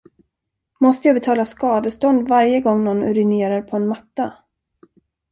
Måste jag betala skadestånd varje gång nån urinerar på en matta?